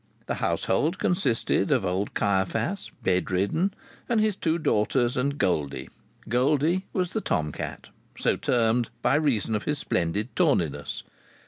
The household consisted of old Caiaphas, bedridden, and his two daughters and Goldie. Goldie was the tomcat, so termed by reason of his splendid tawniness.